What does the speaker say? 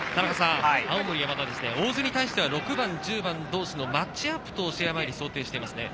青森山田、大津に対しては６番、１０番同士のマッチアップと試合前に想定しています。